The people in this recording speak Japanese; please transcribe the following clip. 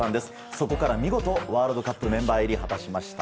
そこから見事ワールドカップメンバー入りを果たしました。